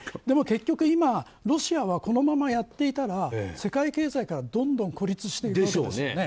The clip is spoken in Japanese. でも結局、今ロシアはこのままやっていたら世界経済からどんどん孤立していきますよね。